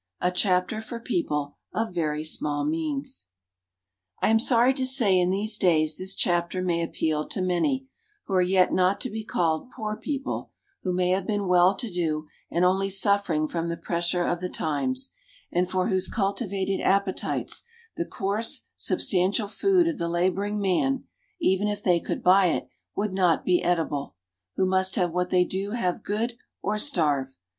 A CHAPTER FOR PEOPLE OF VERY SMALL MEANS. I AM sorry to say in these days this chapter may appeal to many, who are yet not to be called "poor people," who may have been well to do and only suffering from the pressure of the times, and for whose cultivated appetites the coarse, substantial food of the laboring man (even if they could buy it) would not be eatable, who must have what they do have good, or starve.